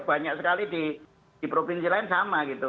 banyak sekali di provinsi lain sama gitu